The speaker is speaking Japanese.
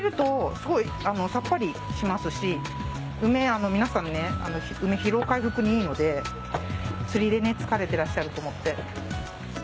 すごいさっぱりしますし梅疲労回復にいいので釣りで疲れてらっしゃると思って。